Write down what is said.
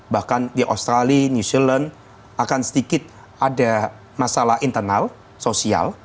bahkan di australia new zealand akan sedikit ada masalah internal sosial